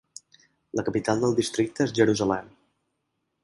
La capital del districte és Jerusalem.